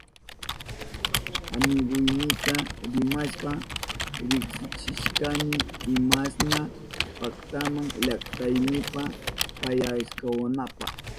Amiguynita rimashpa riksichishkani imashna paktama llaktaynipa pasyawananpa.